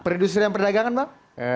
producer yang perdagangan bang